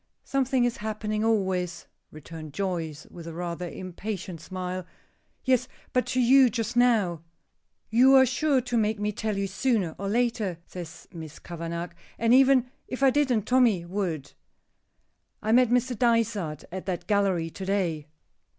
"Something is happening always," returned Joyce, with a rather impatient smile. "Yes, but to you just now." "You are sure to make me tell you sooner or later," says Miss Kavanagh, "and even if I didn't, Tommy would. I met Mr. Dysart at that gallery to day."